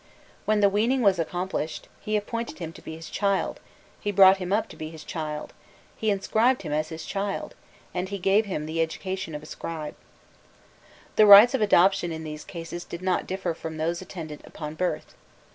When the weaning was accomplished, "he appointed him to be his child, he brought him up to be his child, he inscribed him as his child, and he gave him the education of a scribe." The rites of adoption in these cases did not differ from those attendant upon birth.